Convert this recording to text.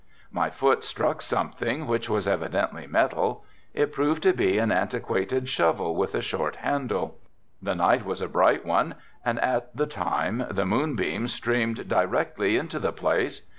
My foot struck something which was evidently metal. It proved to be an antiquated shovel with a short handle. The night was a bright one and at the time the moonbeams streamed directly into the place.